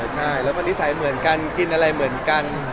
ใช่แล้วก็นิสัยเหมือนกันกินอะไรเหมือนกัน